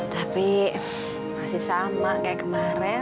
tapi masih sama kayak kemarin